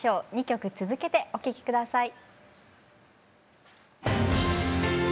２曲続けてお聴き下さい。